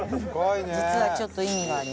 実はちょっと意味がありました。